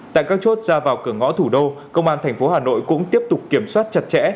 tại các chốt ra vào cửa ngõ thủ đô công an thành phố hà nội cũng tiếp tục kiểm soát chặt chẽ